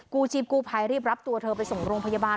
ชีพกู้ภัยรีบรับตัวเธอไปส่งโรงพยาบาล